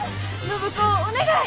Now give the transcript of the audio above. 暢子お願い！